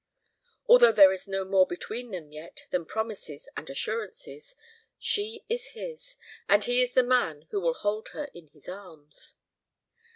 Although there is no more between them yet than promises and assurances, she is his, and he is the man who will hold her in his arms.